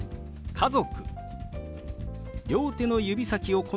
「家族」。